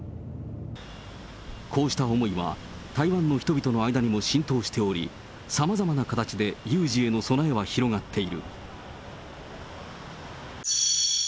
こうした思いは、台湾の人々の間にも浸透しており、さまざまな形で有事への備えは広がっている。